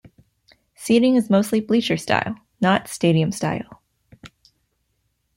Seating is mostly bleacher-style, not stadium style.